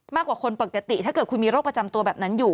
มากกว่าคนปกติถ้าเกิดคุณมีโรคประจำตัวแบบนั้นอยู่